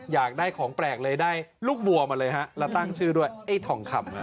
อยากได้ของแปลกเลยได้ลูกวัวมาเลยฮะแล้วตั้งชื่อด้วยไอ้ทองคำ